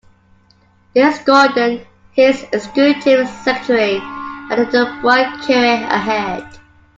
Dennis Gordon, his executive secretary had a bright career ahead.